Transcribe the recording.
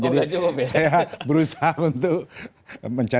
jadi saya berusaha untuk mencari